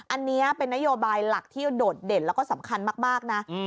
อันนี้เป็นนโยบายหลักที่โดดเด่นแล้วก็สำคัญมากนะ